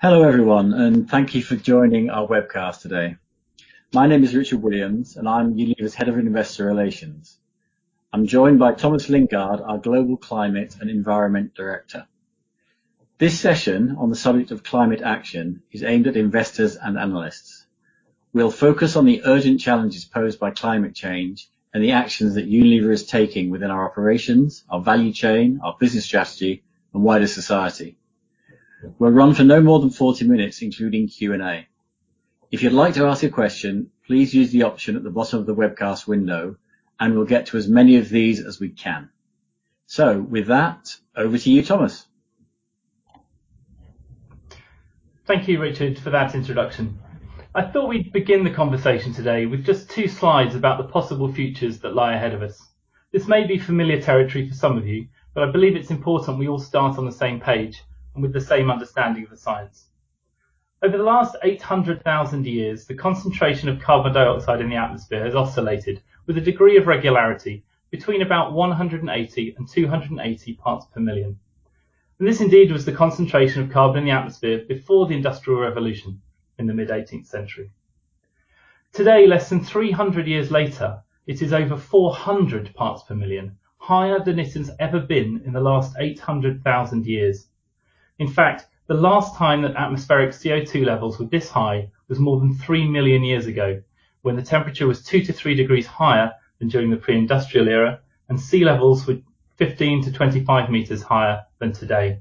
Hello, everyone. Thank you for joining our webcast today. My name is Richard Williams, and I'm Unilever's Head of Investor Relations. I'm joined by Thomas Lingard, our Global Climate and Environment Director. This session on the subject of climate action is aimed at investors and analysts. We'll focus on the urgent challenges posed by climate change and the actions that Unilever is taking within our operations, our value chain, our business strategy, and wider society. We'll run for no more than 40 mins, including Q&A. If you'd like to ask a question, please use the option at the bottom of the webcast window, and we'll get to as many of these as we can. With that, over to you, Thomas. Thank you, Richard, for that introduction. I thought we'd begin the conversation today with just two slides about the possible futures that lie ahead of us. This may be familiar territory for some of you, but I believe it's important we all start on the same page and with the same understanding of the science. Over the last 800,000 years, the concentration of carbon dioxide in the atmosphere has oscillated with a degree of regularity between about 180 and 280 parts per million. This indeed was the concentration of carbon in the atmosphere before the Industrial Revolution in the mid-18th century. Today, less than 300 years later, it is over 400 parts per million, higher than it has ever been in the last 800,000 years. In fact, the last time that atmospheric CO2 levels were this high was more than 3 million years ago, when the temperature was two to three degrees higher than during the pre-industrial era, and sea levels were 15 m-25 m higher than today.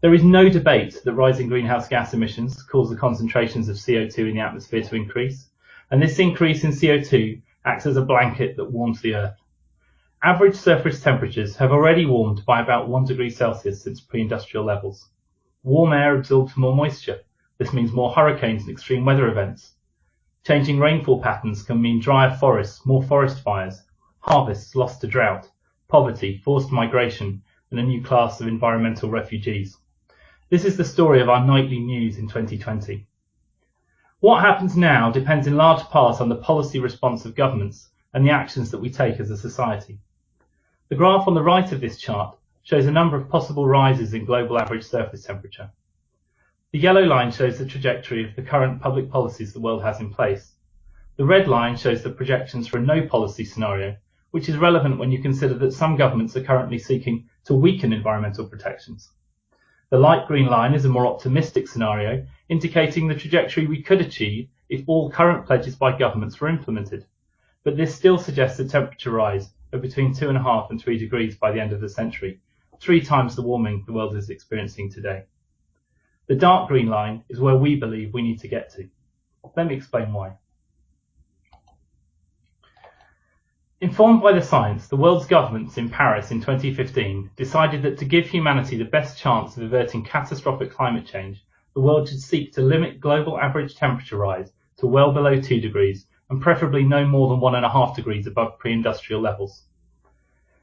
There is no debate that rising greenhouse gas emissions cause the concentrations of CO2 in the atmosphere to increase, and this increase in CO2 acts as a blanket that warms the Earth. Average surface temperatures have already warmed by about one degree Celsius since pre-industrial levels. Warm air absorbs more moisture. This means more hurricanes and extreme weather events. Changing rainfall patterns can mean drier forests, more forest fires, harvests lost to drought, poverty, forced migration, and a new class of environmental refugees. This is the story of our nightly news in 2020. What happens now depends in large part on the policy response of governments and the actions that we take as a society. The graph on the right of this chart shows a number of possible rises in global average surface temperature. The yellow line shows the trajectory of the current public policies the world has in place. The red line shows the projections for a no policy scenario, which is relevant when you consider that some governments are currently seeking to weaken environmental protections. The light green line is a more optimistic scenario, indicating the trajectory we could achieve if all current pledges by governments were implemented. This still suggests a temperature rise of between two and a half and three degrees by the end of the century, three times the warming the world is experiencing today. The dark green line is where we believe we need to get to. Let me explain why. Informed by the science, the world's governments in Paris in 2015 decided that to give humanity the best chance of averting catastrophic climate change, the world should seek to limit global average temperature rise to well below two degrees, and preferably no more than one and a half degrees above pre-industrial levels.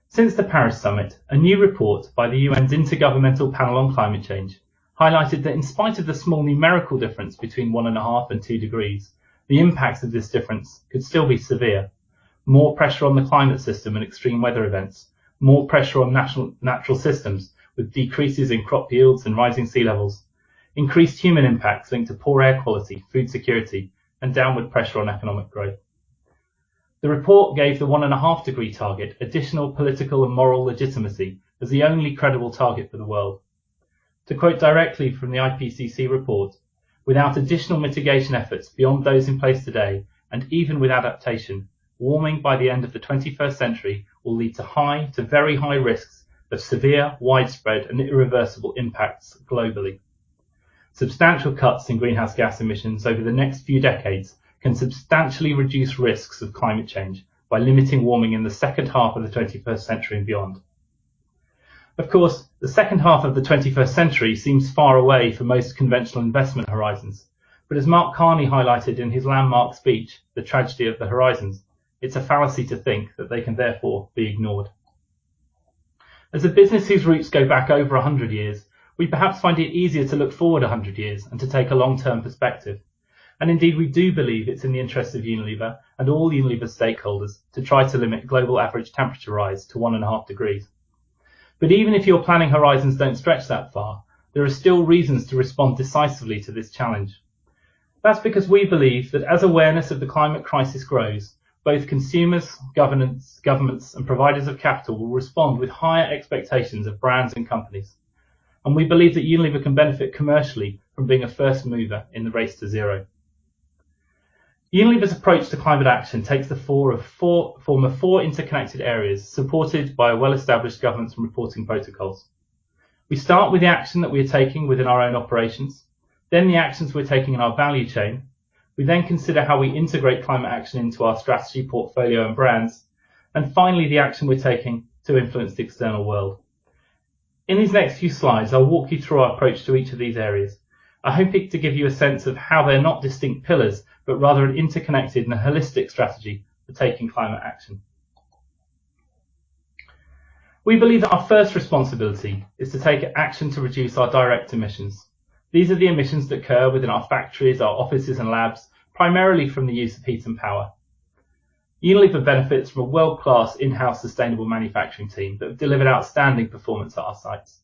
Since the Paris summit, a new report by the UN's Intergovernmental Panel on Climate Change highlighted that in spite of the small numerical difference between one and a half and two degrees, the impact of this difference could still be severe. More pressure on the climate system and extreme weather events, more pressure on natural systems, with decreases in crop yields and rising sea levels, increased human impacts linked to poor air quality, food security, and downward pressure on economic growth. The report gave the one and a half degree target additional political and moral legitimacy as the only credible target for the world. To quote directly from the IPCC report, "Without additional mitigation efforts beyond those in place today, and even with adaptation, warming by the end of the 21st century will lead to high to very high risks of severe, widespread, and irreversible impacts globally. Substantial cuts in greenhouse gas emissions over the next few decades can substantially reduce risks of climate change by limiting warming in the second half of the 21st century and beyond." Of course, the second half of the 21st century seems far away for most conventional investment horizons, but as Mark Carney highlighted in his landmark speech, "The Tragedy of the Horizon," it's a fallacy to think that they can therefore be ignored. Indeed, we do believe it's in the interest of Unilever and all Unilever stakeholders to try to limit global average temperature rise to one and a half degrees. Even if your planning horizons don't stretch that far, there are still reasons to respond decisively to this challenge. That's because we believe that as awareness of the climate crisis grows, both consumers, governments, and providers of capital will respond with higher expectations of brands and companies, and we believe that Unilever can benefit commercially from being a first mover in the race to zero. Unilever's approach to climate action takes the form of four interconnected areas, supported by well-established governance and reporting protocols. We start with the action that we are taking within our own operations, then the actions we're taking in our value chain. We then consider how we integrate climate action into our strategy portfolio and brands, and finally, the action we're taking to influence the external world. In these next few slides, I'll walk you through our approach to each of these areas. I hope to give you a sense of how they're not distinct pillars, but rather an interconnected and a holistic strategy for taking climate action. We believe that our first responsibility is to take action to reduce our direct emissions. These are the emissions that occur within our factories, our offices, and labs, primarily from the use of heat and power. Unilever benefits from a world-class in-house sustainable manufacturing team that have delivered outstanding performance at our sites.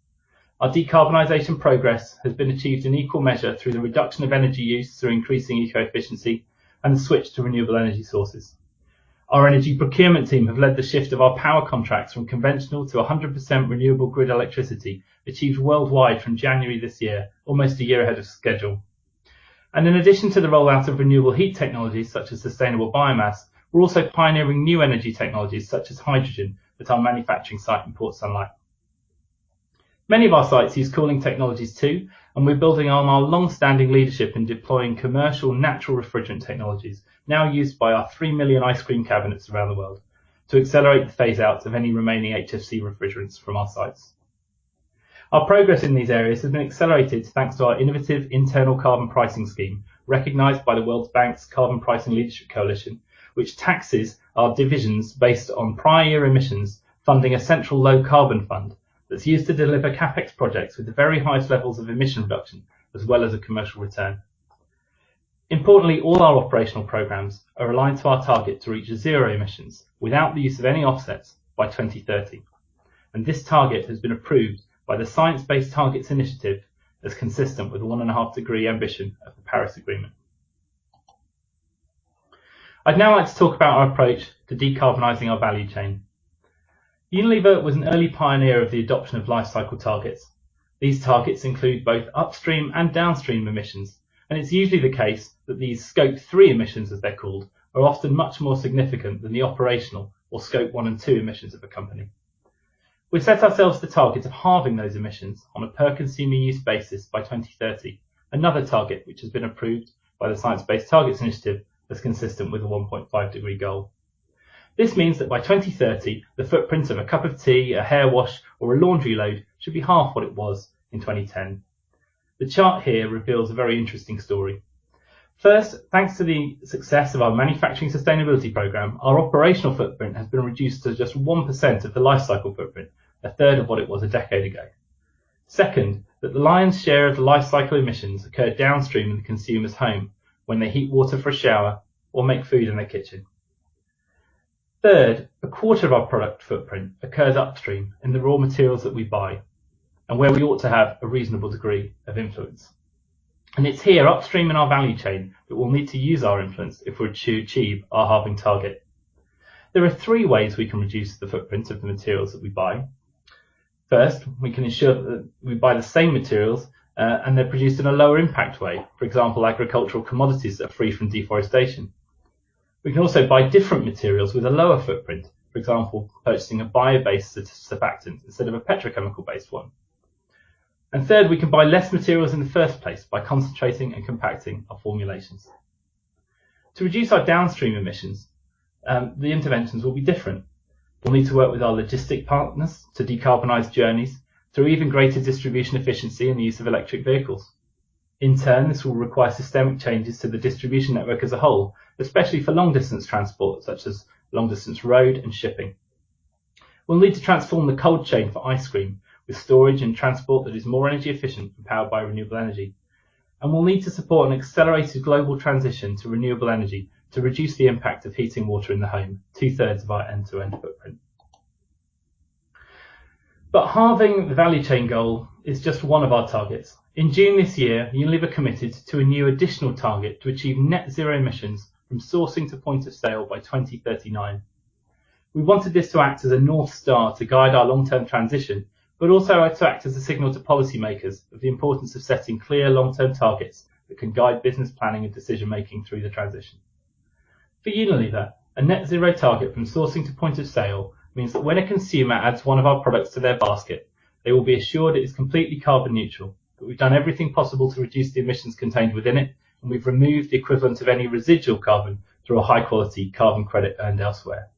Our decarbonization progress has been achieved in equal measure through the reduction of energy use, through increasing eco-efficiency, and the switch to renewable energy sources. Our energy procurement team have led the shift of our power contracts from conventional to 100% renewable grid electricity, achieved worldwide from January this year, almost a year ahead of schedule. In addition to the rollout of renewable heat technologies such as sustainable biomass, we're also pioneering new energy technologies such as hydrogen at our manufacturing site in Port Sunlight. Many of our sites use cooling technologies too, we're building on our long-standing leadership in deploying commercial natural refrigerant technologies now used by our 3 million ice cream cabinets around the world to accelerate the phase outs of any remaining HFC refrigerants from our sites. Our progress in these areas has been accelerated thanks to our innovative internal carbon pricing scheme, recognized by the World Bank's Carbon Pricing Leadership Coalition, which taxes our divisions based on prior emissions, funding a central low carbon fund that's used to deliver CapEx projects with the very highest levels of emission reduction, as well as a commercial return. Importantly, all our operational programs are aligned to our target to reach zero emissions without the use of any offsets by 2030, and this target has been approved by the Science Based Targets initiative as consistent with the 1.5 degree ambition of the Paris Agreement. I'd now like to talk about our approach to decarbonizing our value chain. Unilever was an early pioneer of the adoption of life cycle targets. These targets include both upstream and downstream emissions. It's usually the case that these Scope 3 emissions, as they're called, are often much more significant than the operational or Scope 1 and 2 emissions of a company. We've set ourselves the target of halving those emissions on a per consumer use basis by 2030. Another target which has been approved by the Science Based Targets initiative is consistent with a 1.5 degree goal. This means that by 2030, the footprint of a cup of tea, a hair wash or a laundry load should be half what it was in 2010. The chart here reveals a very interesting story. First, thanks to the success of our manufacturing sustainability program, our operational footprint has been reduced to just 1% of the life cycle footprint, a third of what it was a decade ago. The lion's share of the life cycle emissions occur downstream in the consumer's home when they heat water for a shower or make food in their kitchen. A quarter of our product footprint occurs upstream in the raw materials that we buy and where we ought to have a reasonable degree of influence. It's here upstream in our value chain that we'll need to use our influence if we're to achieve our halving target. There are three ways we can reduce the footprint of the materials that we buy. We can ensure that we buy the same materials, they're produced in a lower impact way. For example, agricultural commodities that are free from deforestation. We can also buy different materials with a lower footprint, for example, purchasing a bio-based surfactant instead of a petrochemical based one. Third, we can buy less materials in the first place by concentrating and compacting our formulations. To reduce our downstream emissions, the interventions will be different. We'll need to work with our logistic partners to decarbonize journeys through even greater distribution efficiency and the use of electric vehicles. In turn, this will require systemic changes to the distribution network as a whole, especially for long distance transport such as long distance road and shipping. We'll need to transform the cold chain for ice cream with storage and transport that is more energy efficient and powered by renewable energy. We'll need to support an accelerated global transition to renewable energy to reduce the impact of heating water in the home, two-thirds of our end-to-end footprint. Halving the value chain goal is just one of our targets. In June this year, Unilever committed to a new additional target to achieve net zero emissions from sourcing to point of sale by 2039. We wanted this to act as a North Star to guide our long-term transition, but also to act as a signal to policymakers of the importance of setting clear long-term targets that can guide business planning and decision making through the transition. For Unilever, a net zero target from sourcing to point of sale means that when a consumer adds one of our products to their basket, they will be assured it is completely carbon neutral, that we've done everything possible to reduce the emissions contained within it, and we've removed the equivalent of any residual carbon through a high-quality carbon credit earned elsewhere.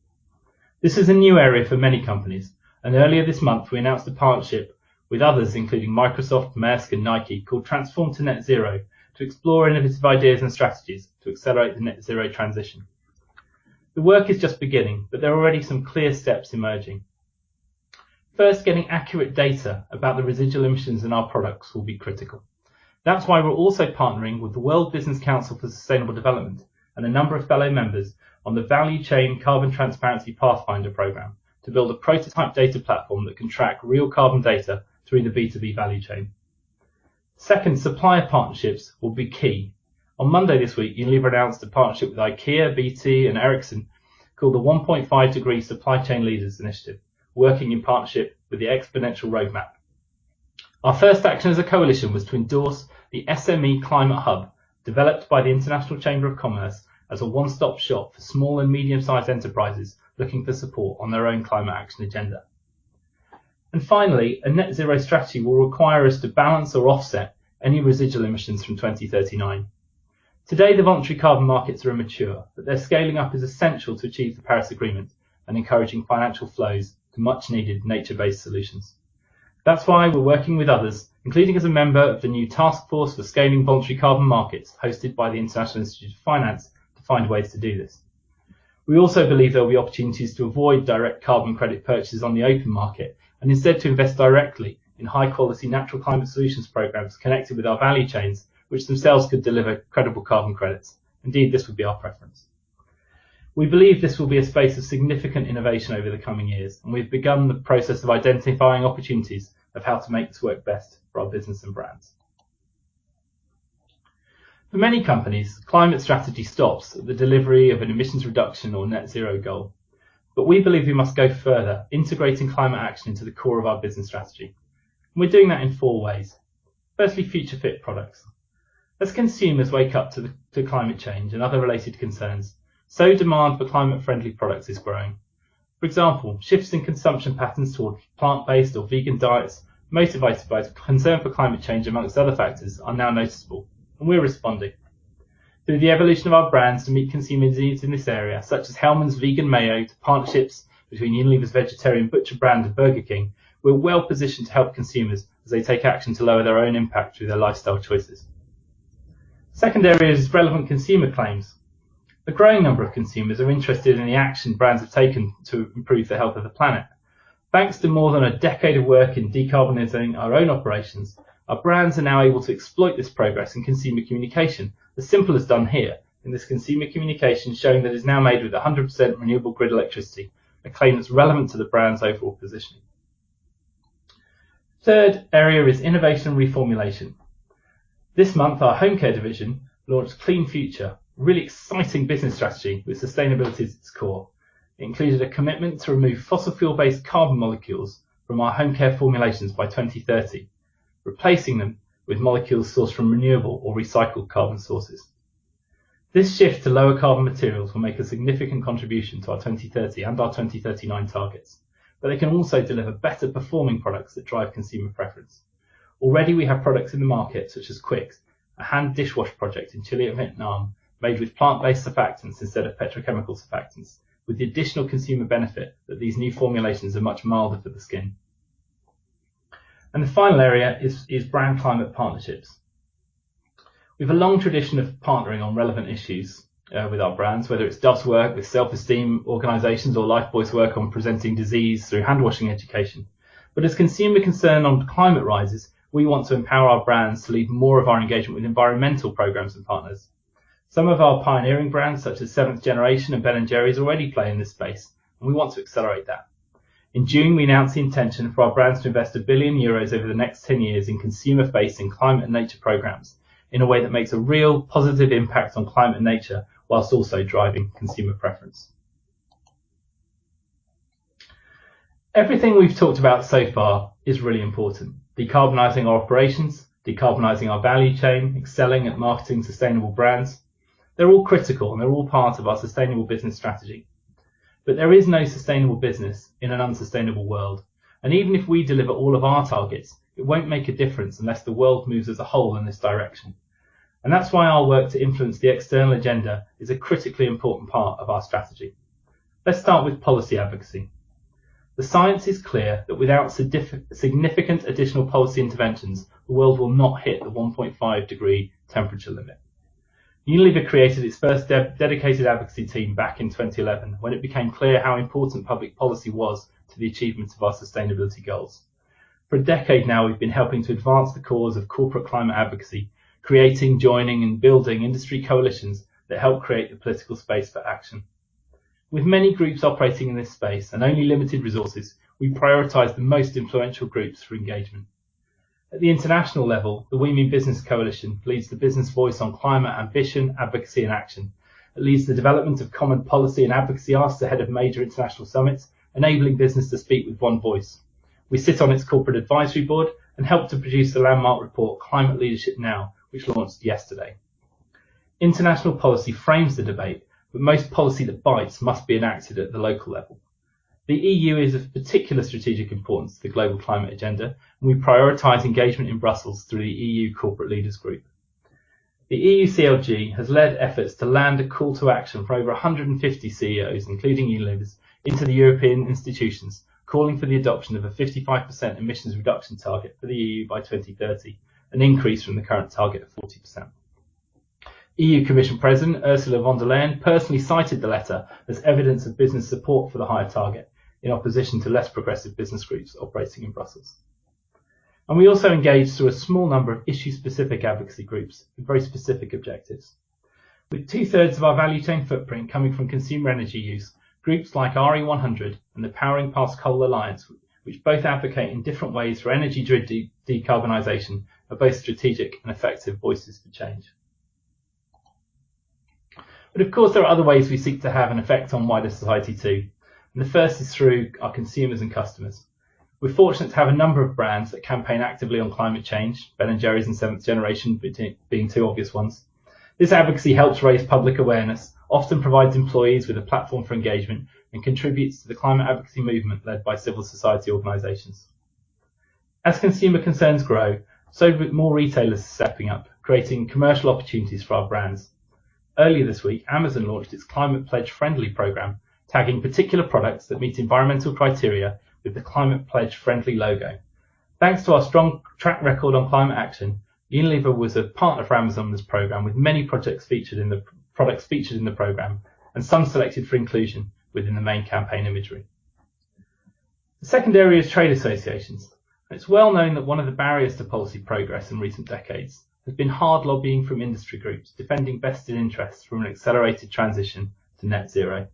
This is a new area for many companies. Earlier this month we announced a partnership with others, including Microsoft, Maersk and Nike, called Transform to Net Zero, to explore innovative ideas and strategies to accelerate the net zero transition. The work is just beginning. There are already some clear steps emerging. First, getting accurate data about the residual emissions in our products will be critical. That's why we're also partnering with the World Business Council for Sustainable Development and a number of fellow members on the Value Chain Carbon Transparency Pathfinder program to build a prototype data platform that can track real carbon data through the B2B value chain. Second, supplier partnerships will be key. On Monday this week, Unilever announced a partnership with IKEA, BT and Ericsson called the 1.5°C Supply Chain Leaders Initiative, working in partnership with the Exponential Roadmap. Our first action as a coalition was to endorse the SME Climate Hub, developed by the International Chamber of Commerce as a one stop shop for small and medium sized enterprises looking for support on their own climate action agenda. Finally, a net zero strategy will require us to balance or offset any residual emissions from 2039. Today, the voluntary carbon markets are immature, but their scaling up is essential to achieve the Paris Agreement and encouraging financial flows to much needed nature based solutions. That's why we're working with others, including as a member of the new Taskforce on Scaling Voluntary Carbon Markets hosted by the Institute of International Finance to find ways to do this. We also believe there will be opportunities to avoid direct carbon credit purchases on the open market, and instead to invest directly in high quality natural climate solutions programs connected with our value chains, which themselves could deliver credible carbon credits. Indeed, this would be our preference. We believe this will be a space of significant innovation over the coming years, and we've begun the process of identifying opportunities of how to make this work best for our business and brands. For many companies, climate strategy stops at the delivery of an emissions reduction or net zero goal. We believe we must go further, integrating climate action into the core of our business strategy. We're doing that in four ways. Firstly, future fit products. As consumers wake up to climate change and other related concerns, so demand for climate friendly products is growing. For example, shifts in consumption patterns towards plant-based or vegan diets, motivated by concern for climate change amongst other factors, are now noticeable, and we're responding. Through the evolution of our brands to meet consumer needs in this area, such as Hellmann's vegan mayo, to partnerships between Unilever's Vegetarian Butcher brand and Burger King, we're well positioned to help consumers as they take action to lower their own impact through their lifestyle choices. Second area is relevant consumer claims. A growing number of consumers are interested in the action brands have taken to improve the health of the planet. Thanks to more than a decade of work in decarbonizing our own operations, our brands are now able to exploit this progress in consumer communication, as Simple has done here in this consumer communication showing that it is now made with 100% renewable grid electricity, a claim that's relevant to the brand's overall positioning. Third area is innovation reformulation. This month, our home care division launched Clean Future, a really exciting business strategy with sustainability at its core. It included a commitment to remove fossil fuel based carbon molecules from our home care formulations by 2030, replacing them with molecules sourced from renewable or recycled carbon sources. It can also deliver better performing products that drive consumer preference. Already we have products in the market such as Quix, a hand dishwash product in Chile and Vietnam, made with plant-based surfactants instead of petrochemical surfactants, with the additional consumer benefit that these new formulations are much milder for the skin. The final area is brand climate partnerships. We have a long tradition of partnering on relevant issues with our brands, whether it's Dove's work with self-esteem organizations or Lifebuoy's work on preventing disease through handwashing education. As consumer concern on climate rises, we want to empower our brands to lead more of our engagement with environmental programs and partners. Some of our pioneering brands, such as Seventh Generation and Ben & Jerry's, already play in this space, and we want to accelerate that. In June, we announced the intention for our brands to invest 1 billion euros over the next 10 years in consumer facing climate and nature programs in a way that makes a real positive impact on climate and nature, while also driving consumer preference. Everything we've talked about so far is really important. Decarbonizing our operations, decarbonizing our value chain, excelling at marketing sustainable brands, they're all critical and they're all part of our sustainable business strategy. There is no sustainable business in an unsustainable world, even if we deliver all of our targets, it won't make a difference unless the world moves as a whole in this direction. That's why our work to influence the external agenda is a critically important part of our strategy. Let's start with policy advocacy. The science is clear that without significant additional policy interventions, the world will not hit the 1.5 degree temperature limit. Unilever created its first dedicated advocacy team back in 2011, when it became clear how important public policy was to the achievement of our sustainability goals. For a decade now, we've been helping to advance the cause of corporate climate advocacy, creating, joining, and building industry coalitions that help create the political space for action. With many groups operating in this space and only limited resources, we prioritize the most influential groups for engagement. At the international level, the We Mean Business Coalition leads the business voice on climate ambition, advocacy, and action. It leads the development of common policy and advocacy asks ahead of major international summits, enabling business to speak with one voice. We sit on its corporate advisory board and help to produce the landmark report, "Climate Leadership Now," which launched yesterday. International policy frames the debate, but most policy that bites must be enacted at the local level. The EU is of particular strategic importance to the global climate agenda, and we prioritize engagement in Brussels through the EU Corporate Leaders Group. The EUCLG has led efforts to land a call to action for over 150 CEOs, including Unilever's, into the European institutions, calling for the adoption of a 55% emissions reduction target for the EU by 2030, an increase from the current target of 40%. EU Commission President Ursula von der Leyen personally cited the letter as evidence of business support for the higher target in opposition to less progressive business groups operating in Brussels. We also engage through a small number of issue specific advocacy groups with very specific objectives. With two thirds of our value chain footprint coming from consumer energy use, groups like RE100 and the Powering Past Coal Alliance, which both advocate in different ways for energy decarbonization, are both strategic and effective voices for change. Of course, there are other ways we seek to have an effect on wider society too, and the first is through our consumers and customers. We're fortunate to have a number of brands that campaign actively on climate change, Ben & Jerry's and Seventh Generation being two obvious ones. This advocacy helps raise public awareness, often provides employees with a platform for engagement, and contributes to the climate advocacy movement led by civil society organizations. As consumer concerns grow, so more retailers are stepping up, creating commercial opportunities for our brands. Earlier this week, Amazon launched its Climate Pledge Friendly program, tagging particular products that meet environmental criteria with the Climate Pledge Friendly logo. Thanks to our strong track record on climate action, Unilever was a partner for Amazon on this program, with many products featured in the program, and some selected for inclusion within the main campaign imagery. The second area is trade associations. It's well known that one of the barriers to policy progress in recent decades has been hard lobbying from industry groups defending vested interests from an accelerated transition to net zero.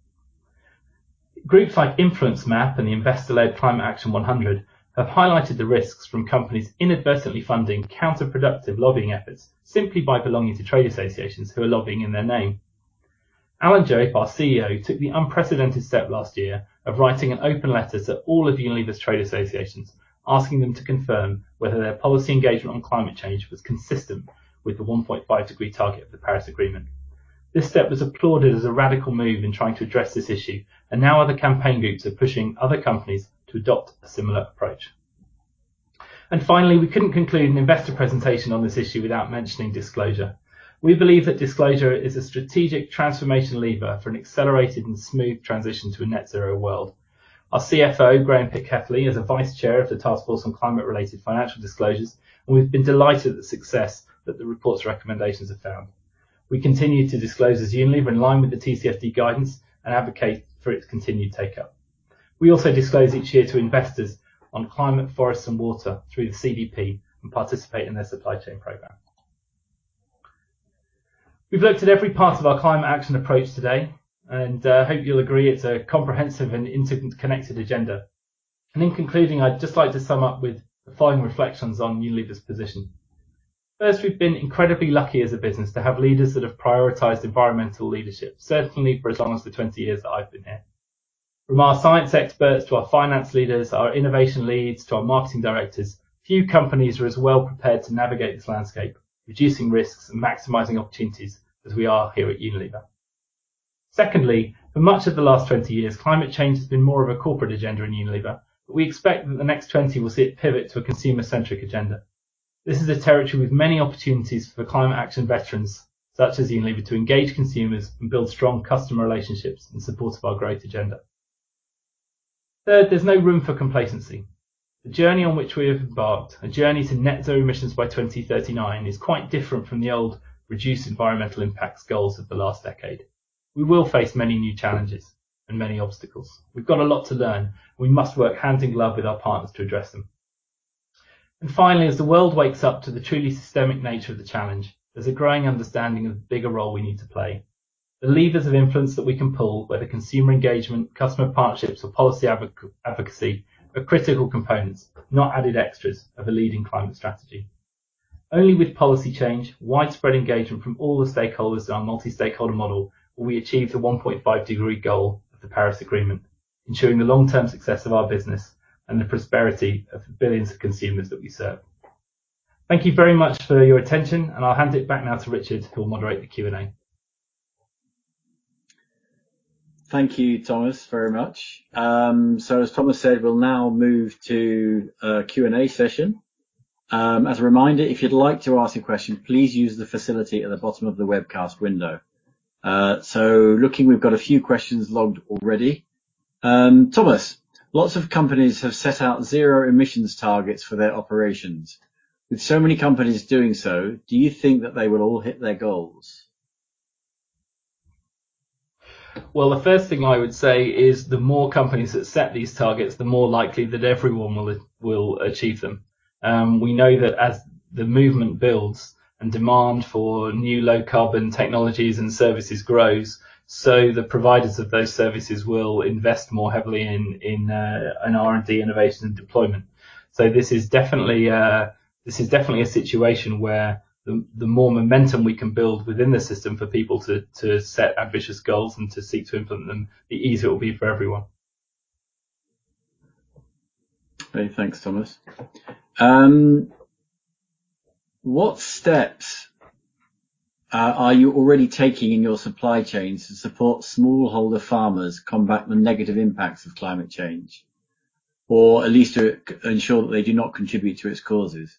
Groups like InfluenceMap and the investor-led Climate Action 100 have highlighted the risks from companies inadvertently funding counterproductive lobbying efforts simply by belonging to trade associations who are lobbying in their name. Alan Jope, our CEO, took the unprecedented step last year of writing an open letter to all of Unilever's trade associations, asking them to confirm whether their policy engagement on climate change was consistent with the 1.5°C target of the Paris Agreement. Now other campaign groups are pushing other companies to adopt a similar approach. Finally, we couldn't conclude an investor presentation on this issue without mentioning disclosure. We believe that disclosure is a strategic transformation lever for an accelerated and smooth transition to a net zero world. Our CFO, Graeme Pitkethly, is a vice chair of the Task Force on Climate-related Financial Disclosures, and we've been delighted at the success that the report's recommendations have found. We continue to disclose as Unilever in line with the TCFD guidance and advocate for its continued take-up. We also disclose each year to investors on climate, forests, and water through the CDP and participate in their supply chain program. We've looked at every part of our climate action approach today and hope you'll agree it's a comprehensive and interconnected agenda. In concluding, I'd just like to sum up with the following reflections on Unilever's position. First, we've been incredibly lucky as a business to have leaders that have prioritized environmental leadership, certainly for as long as the 20 years that I've been here. From our science experts to our finance leaders, our innovation leads to our marketing directors, few companies are as well prepared to navigate this landscape, reducing risks and maximizing opportunities as we are here at Unilever. For much of the last 20 yrs, climate change has been more of a corporate agenda in Unilever, but we expect that the next 20 will see it pivot to a consumer-centric agenda. This is a territory with many opportunities for climate action veterans such as Unilever, to engage consumers and build strong customer relationships in support of our great agenda. There's no room for complacency. The journey on which we have embarked, a journey to net zero emissions by 2039 is quite different from the old reduce environmental impacts goals of the last decade. We will face many new challenges and many obstacles. We've got a lot to learn, and we must work hand in glove with our partners to address them. Finally, as the world wakes up to the truly systemic nature of the challenge, there's a growing understanding of the bigger role we need to play. The levers of influence that we can pull, whether consumer engagement, customer partnerships or policy advocacy are critical components, not added extras of a leading climate strategy. Only with policy change, widespread engagement from all the stakeholders in our multi-stakeholder model will we achieve the 1.5 degree goal of the Paris Agreement, ensuring the long-term success of our business and the prosperity of billions of consumers that we serve. Thank you very much for your attention, I'll hand it back now to Richard who will moderate the Q&A. Thank you, Thomas, very much. As Thomas said, we'll now move to a Q&A session. As a reminder, if you'd like to ask a question, please use the facility at the bottom of the webcast window. Looking, we've got a few questions logged already. Thomas, lots of companies have set out zero emissions targets for their operations. With so many companies doing so, do you think that they will all hit their goals? The first thing I would say is the more companies that set these targets, the more likely that everyone will achieve them. We know that as the movement builds and demand for new low carbon technologies and services grows, the providers of those services will invest more heavily in R&D, innovation and deployment. This is definitely a situation where the more momentum we can build within the system for people to set ambitious goals and to seek to implement them, the easier it will be for everyone. Okay, thanks Thomas. What steps are you already taking in your supply chains to support smallholder farmers combat the negative impacts of climate change? At least to ensure that they do not contribute to its causes?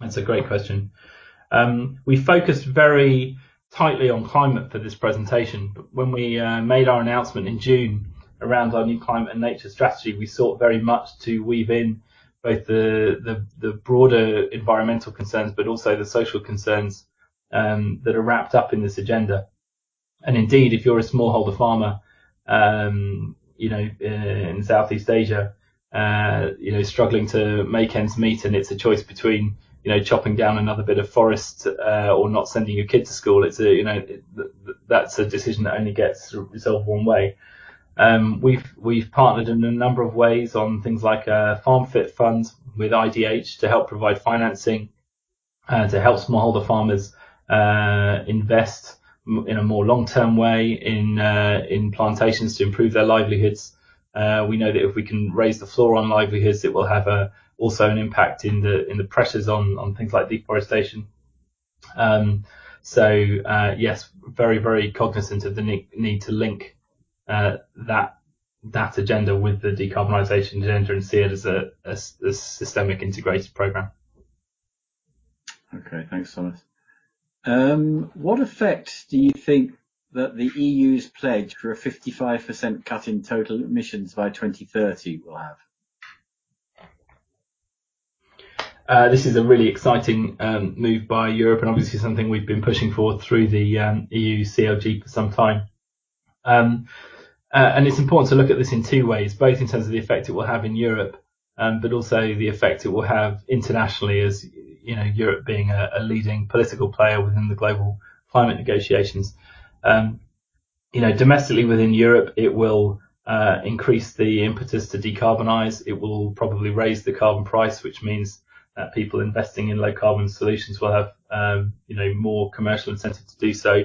That's a great question. We focused very tightly on climate for this presentation, but when we made our announcement in June around our new climate and nature strategy, we sought very much to weave in both the broader environmental concerns, but also the social concerns that are wrapped up in this agenda. Indeed, if you're a smallholder farmer in Southeast Asia, struggling to make ends meet, and it's a choice between chopping down another bit of forest or not sending your kid to school, that's a decision that only gets resolved one way. We've partnered in a number of ways on things like Farmfit Fund with IDH to help provide financing to help smallholder farmers invest in a more long-term way in plantations to improve their livelihoods. We know that if we can raise the floor on livelihoods, it will have also an impact in the pressures on things like deforestation. Yes, very cognizant of the need to link that agenda with the decarbonization agenda and see it as a systemic integrated program. Okay, thanks Thomas. What effect do you think that the EU's pledge for a 55% cut in total emissions by 2030 will have? This is a really exciting move by Europe. Obviously something we've been pushing for through the EUCLG for some time. It's important to look at this in two ways, both in terms of the effect it will have in Europe, but also the effect it will have internationally as Europe being a leading political player within the global climate negotiations. Domestically within Europe, it will increase the impetus to decarbonize. It will probably raise the carbon price, which means that people investing in low carbon solutions will have more commercial incentive to do so.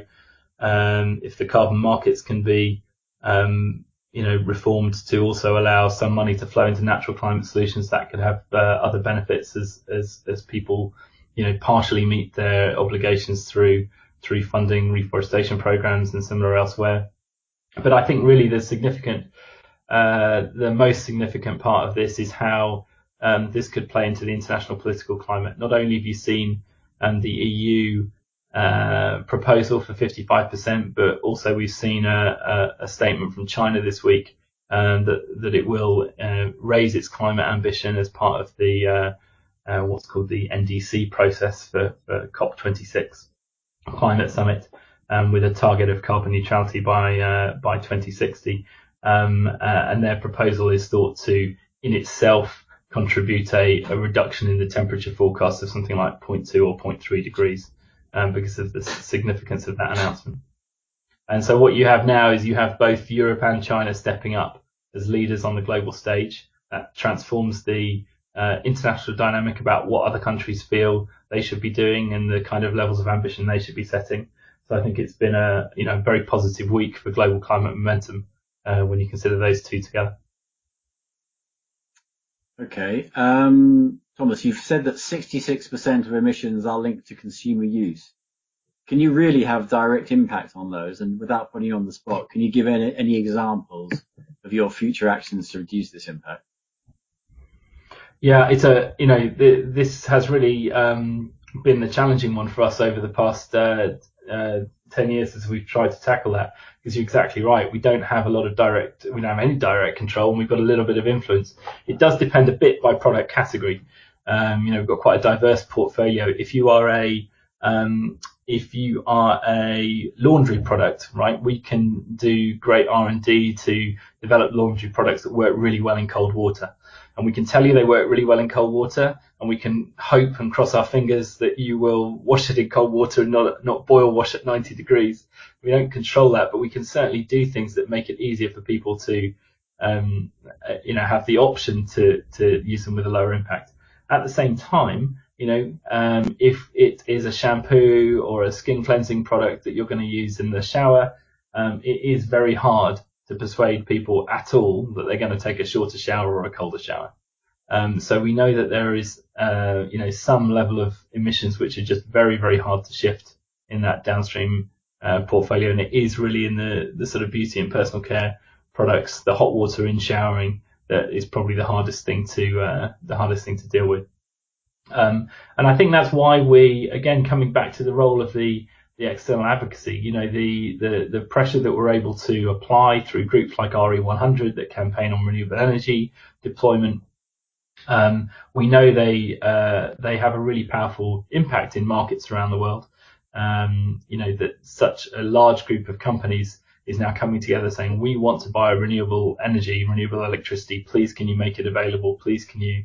If the carbon markets can be reformed to also allow some money to flow into natural climate solutions, that could have other benefits as people partially meet their obligations through funding reforestation programs and similar elsewhere. I think really the most significant part of this is how this could play into the international political climate. Not only have you seen the EU proposal for 55%, but also we've seen a statement from China this week that it will raise its climate ambition as part of the what's called the NDC process for COP26 climate summit, with a target of carbon neutrality by 2060. Their proposal is thought to, in itself, contribute a reduction in the temperature forecast of something like 0.2 or 0.3 degrees, because of the significance of that announcement. What you have now is you have both Europe and China stepping up as leaders on the global stage. That transforms the international dynamic about what other countries feel they should be doing and the kind of levels of ambition they should be setting. I think it's been a very positive week for global climate momentum, when you consider those two together. Okay. Thomas, you've said that 66% of emissions are linked to consumer use. Can you really have direct impact on those? Without putting you on the spot, can you give any examples of your future actions to reduce this impact? This has really been a challenging one for us over the past 10 yrs since we've tried to tackle that. You're exactly right, we don't have any direct control, and we've got a little bit of influence. It does depend a bit by product category. We've got quite a diverse portfolio. If you are a laundry product, we can do great R&D to develop laundry products that work really well in cold water. We can tell you they work really well in cold water, and we can hope and cross our fingers that you will wash it in cold water and not boil wash at 90 degrees. We don't control that, we can certainly do things that make it easier for people to have the option to use them with a lower impact. At the same time, if it is a shampoo or a skin cleansing product that you're going to use in the shower, it is very hard to persuade people at all that they're going to take a shorter shower or a colder shower. We know that there is some level of emissions which are just very, very hard to shift in that downstream portfolio, and it is really in the sort of beauty and personal care products, the hot water in showering, that is probably the hardest thing to deal with. I think that's why we, again, coming back to the role of the external advocacy, the pressure that we're able to apply through groups like RE100, that campaign on renewable energy deployment. We know they have a really powerful impact in markets around the world, that such a large group of companies is now coming together saying, "We want to buy renewable energy, renewable electricity. Please, can you make it available? Please, can you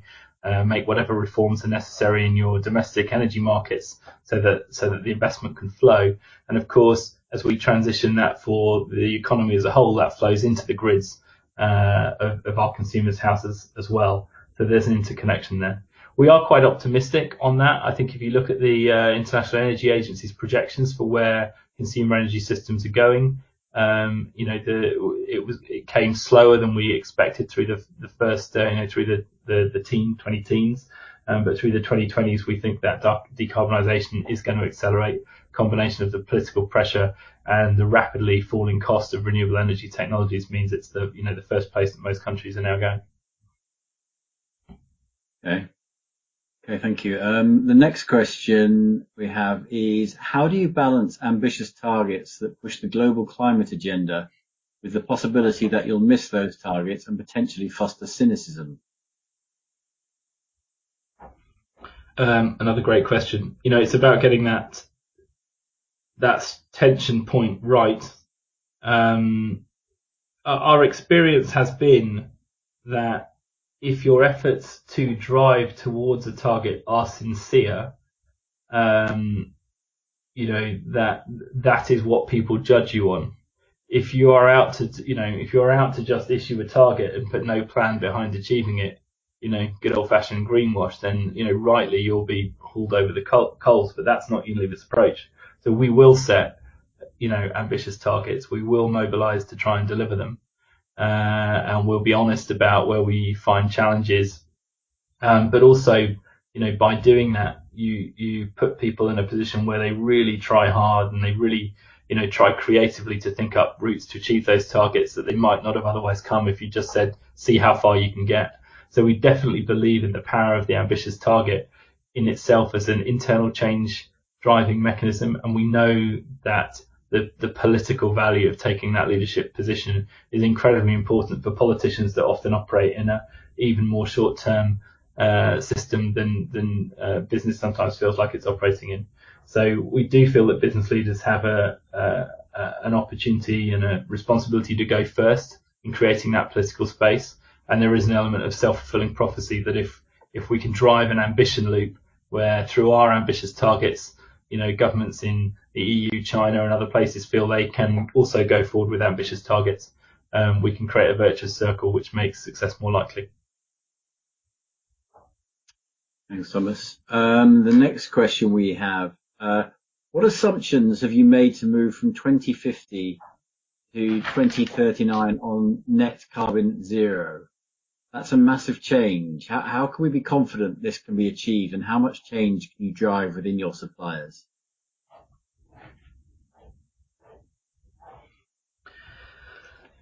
make whatever reforms are necessary in your domestic energy markets so that the investment can flow?" Of course, as we transition that for the economy as a whole, that flows into the grids of our consumers' houses as well. There's an interconnection there. We are quite optimistic on that. I think if you look at the International Energy Agency's projections for where consumer energy systems are going, it came slower than we expected through the first, through the 20-teens. Through the 2020s, we think that decarbonization is going to accelerate. Combination of the political pressure and the rapidly falling cost of renewable energy technologies means it's the first place that most countries are now going. Okay. Thank you. The next question we have is, how do you balance ambitious targets that push the global climate agenda with the possibility that you'll miss those targets and potentially foster cynicism? Another great question. It's about getting that tension point right. Our experience has been that if your efforts to drive towards a target are sincere, that is what people judge you on. If you are out to just issue a target and put no plan behind achieving it, good old-fashioned greenwash, then rightly, you'll be hauled over the coals. That's not Unilever's approach. We will set ambitious targets. We will mobilize to try and deliver them, and we'll be honest about where we find challenges. Also by doing that, you put people in a position where they really try hard, and they really try creatively to think up routes to achieve those targets that they might not have otherwise come if you just said, "See how far you can get." We definitely believe in the power of the ambitious target in itself as an internal change-driving mechanism, and we know that the political value of taking that leadership position is incredibly important for politicians that often operate in an even more short-term system than business sometimes feels like it's operating in. We do feel that business leaders have an opportunity and a responsibility to go first in creating that political space, and there is an element of self-fulfilling prophecy that if we can drive an ambition loop where through our ambitious targets governments in the EU, China, and other places feel they can also go forward with ambitious targets, we can create a virtuous circle, which makes success more likely. Thanks, Thomas. The next question we have, what assumptions have you made to move from 2050 to 2039 on net carbon zero? That's a massive change. How can we be confident this can be achieved, and how much change can you drive within your suppliers?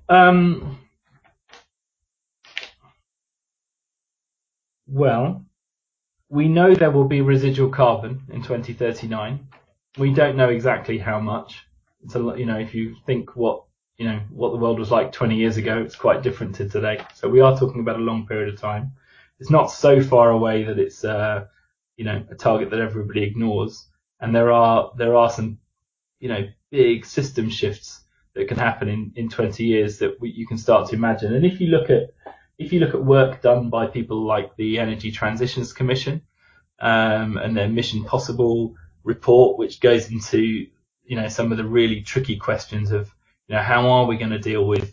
Well, we know there will be residual carbon in 2039. We don't know exactly how much. If you think what the world was like 20 yrs ago, it's quite different to today. We are talking about a long period of time. It's not so far away that it's a target that everybody ignores, there are some big system shifts that can happen in 20 yrs that you can start to imagine. If you look at work done by people like the Energy Transitions Commission, their Mission Possible report, which goes into some of the really tricky questions of how are we going to deal with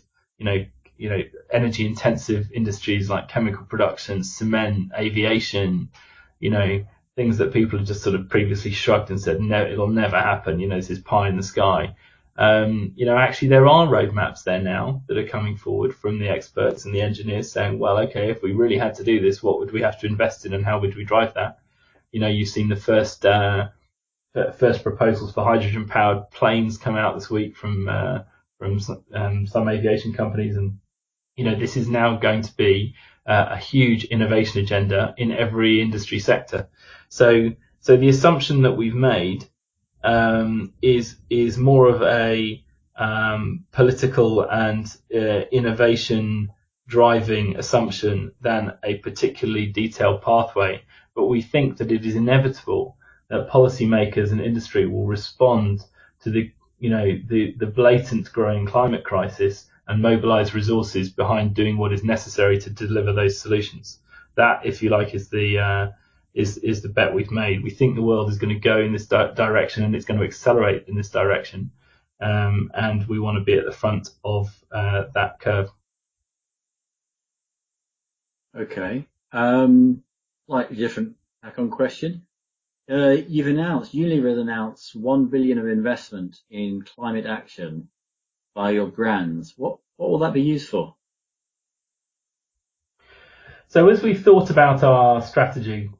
energy intensive industries like chemical production, cement, aviation, things that people have just sort of previously shrugged and said, "No, it'll never happen. This is pie in the sky." Actually, there are roadmaps there now that are coming forward from the experts and the engineers saying, "Well, okay, if we really had to do this, what would we have to invest in, and how would we drive that?" You've seen the first proposals for hydrogen-powered planes come out this week from some aviation companies, and this is now going to be a huge innovation agenda in every industry sector. The assumption that we've made, is more of a political and innovation driving assumption than a particularly detailed pathway. We think that it is inevitable that policymakers and industry will respond to the blatant growing climate crisis and mobilize resources behind doing what is necessary to deliver those solutions. That, if you like, is the bet we've made. We think the world is going to go in this direction, and it's going to accelerate in this direction. We want to be at the front of that curve. Okay. Slightly different tack on question. Unilever has announced 1 billion of investment in climate action by your brands. What will that be used for? As we thought about our strategy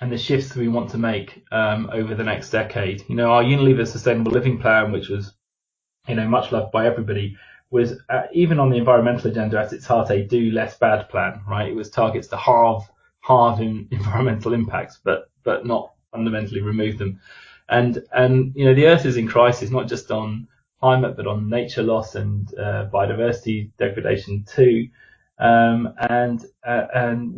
and the shifts that we want to make over the next decade, our Unilever Sustainable Living Plan, which was much loved by everybody, was, even on the environmental agenda at its heart, a do less bad plan, right? It was targets to halve environmental impacts, but not fundamentally remove them. The Earth is in crisis, not just on climate, but on nature loss and biodiversity degradation too.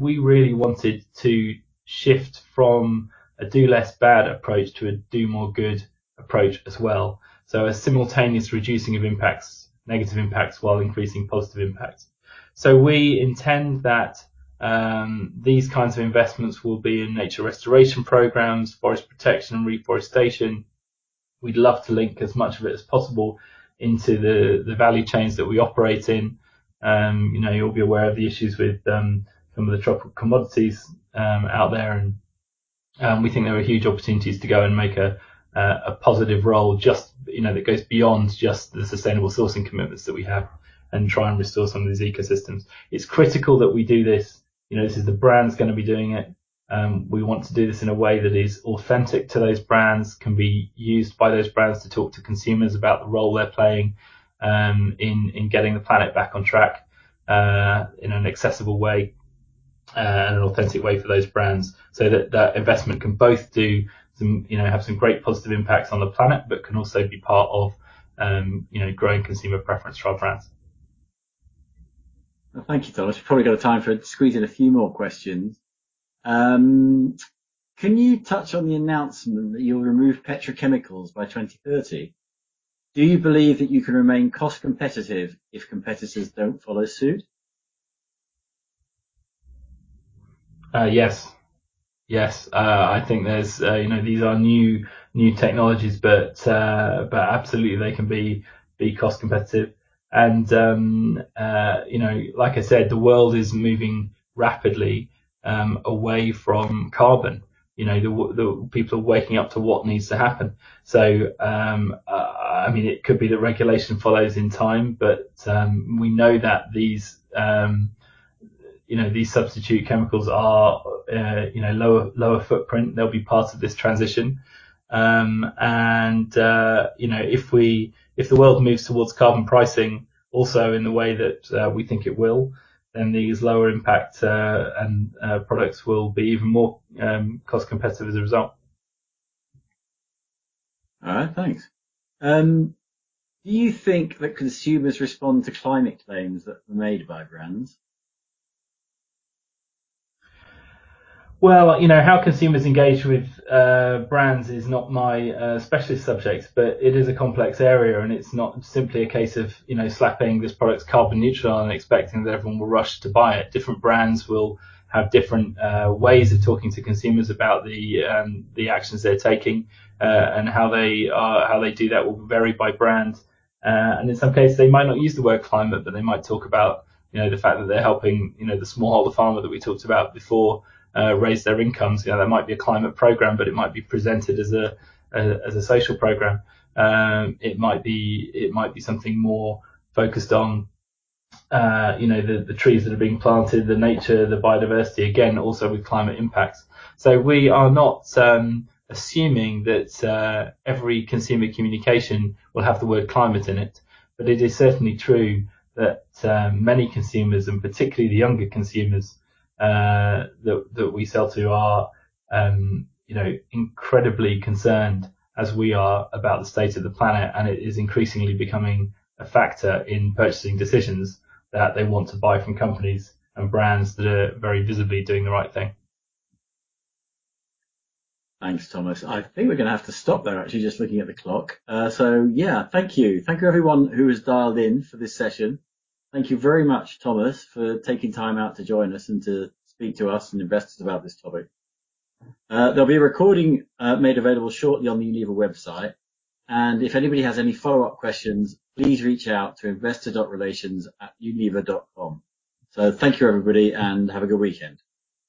We really wanted to shift from a do less bad approach to a do more good approach as well. A simultaneous reducing of impacts, negative impacts, while increasing positive impacts. We intend that these kinds of investments will be in nature restoration programs, forest protection, and reforestation. We'd love to link as much of it as possible into the value chains that we operate in. You'll be aware of the issues with some of the tropical commodities out there. We think there are huge opportunities to go and make a positive role that goes beyond just the sustainable sourcing commitments that we have and try and restore some of these ecosystems. It's critical that we do this. This is the brands going to be doing it. We want to do this in a way that is authentic to those brands, can be used by those brands to talk to consumers about the role they're playing in getting the planet back on track, in an accessible way and an authentic way for those brands, that that investment can both have some great positive impacts on the planet, but can also be part of growing consumer preference for our brands. Thank you, Thomas. We've probably got time for squeeze in a few more questions. Can you touch on the announcement that you'll remove petrochemicals by 2030? Do you believe that you can remain cost competitive if competitors don't follow suit? Yes. I think these are new technologies, but absolutely they can be cost competitive and like I said, the world is moving rapidly away from carbon. The people are waking up to what needs to happen. It could be that regulation follows in time, but we know that these substitute chemicals are lower footprint. They'll be part of this transition. If the world moves towards carbon pricing also in the way that we think it will, then these lower impact products will be even more cost competitive as a result All right, thanks. Do you think that consumers respond to climate claims that are made by brands? How consumers engage with brands is not my specialist subject, but it is a complex area, and it's not simply a case of slapping this product's carbon neutral and expecting that everyone will rush to buy it. Different brands will have different ways of talking to consumers about the actions they're taking. How they do that will vary by brand. In some cases, they might not use the word climate, but they might talk about the fact that they're helping the smallholder farmer that we talked about before raise their incomes. There might be a climate program, but it might be presented as a social program. It might be something more focused on the trees that are being planted, the nature, the biodiversity, again, also with climate impacts. We are not assuming that every consumer communication will have the word climate in it. It is certainly true that many consumers, and particularly the younger consumers that we sell to are incredibly concerned, as we are, about the state of the planet, and it is increasingly becoming a factor in purchasing decisions that they want to buy from companies and brands that are very visibly doing the right thing. Thanks, Thomas. I think we're going to have to stop there, actually, just looking at the clock. Thank you. Thank you, everyone who has dialed in for this session. Thank you very much, Thomas, for taking time out to join us and to speak to us and investors about this topic. There'll be a recording made available shortly on the Unilever website, and if anybody has any follow-up questions, please reach out to investor.relations@unilever.com. Thank you, everybody, and have a good weekend.